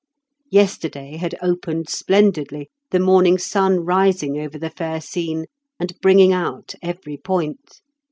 Yesterday had opened splendidly, the morning sun rising over the fair scene and bringing out every point.